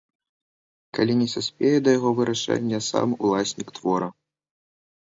Калі не саспее да яго вырашэння сам уласнік твора.